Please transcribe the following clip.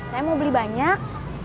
saya mau beli banyak